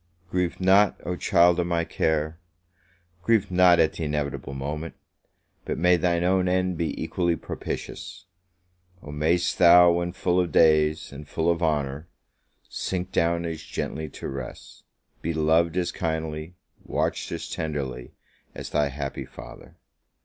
Grieve not, oh child of my care! Grieve not at the inevitable moment! but may thy own end be equally propitious! Oh, may'st thou, when full of days, and full of honour, sink down as gently to rest! be loved as kindly, watched as tenderly, as thy happy father!